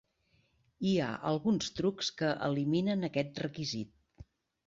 Hi ha alguns trucs que eliminen aquest requisit.